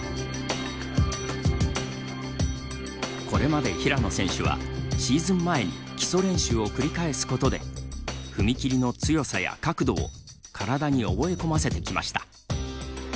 これまで平野選手はシーズン前に基礎練習を繰り返すことで踏み切りの強さや角度を体に覚え込ませてきました。